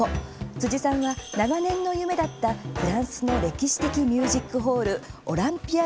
辻さんは、長年の夢だったフランスの歴史的ミュージックホールオランピア